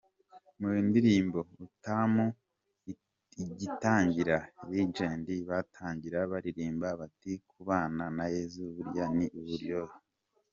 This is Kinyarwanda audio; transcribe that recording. Muri ndirimbo Utamu igitangira, Legend batangira baririmba bati 'Kubana na Yesu burya ni uburyohe'.